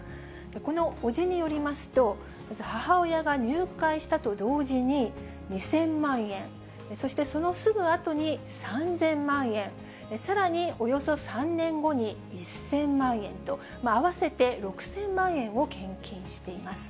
この伯父によりますと、母親が入会したと同時に、２０００万円、そしてそのすぐあとに３０００万円、さらに、およそ３年後に１０００万円と、合わせて６０００万円を献金しています。